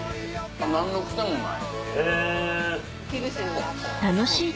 何の癖もない。